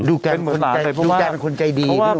ดูแกเป็นคนใจดี